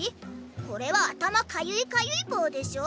これは「あたまかゆいかゆい棒」でしょ？